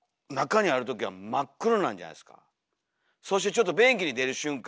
そしてちょっと便器に出る瞬間。